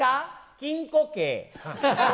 禁錮刑。